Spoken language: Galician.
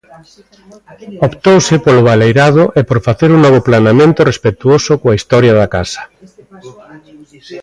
Optouse polo baleirado e por facer un novo planeamento respectuoso coa historia da casa.